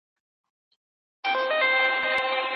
ولي د برېښنايي زده کړي اهمیت زیات دی؟